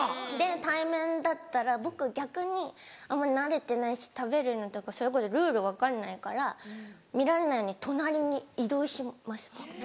対面だったら僕逆にあんま慣れてないし食べるのとかそれこそルール分かんないから見られないように隣に移動します。